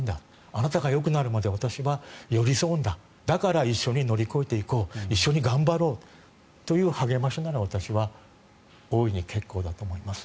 あなたがよくなるまで私は寄り添うんだだから一緒に乗り越えていこう一緒に頑張ろうという励ましなら私は大いに結構だと思います。